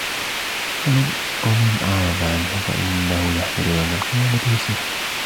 من أعرض عنه فإنه يحمل يوم القيامة وزرا